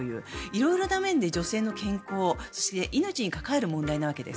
色々な面で女性の健康、そして命に関わる問題なわけです。